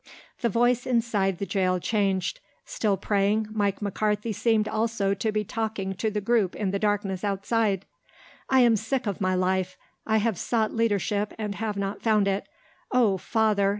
The voice inside the jail changed. Still praying, Mike McCarthy seemed also to be talking to the group in the darkness outside. "I am sick of my life. I have sought leadership and have not found it. Oh Father!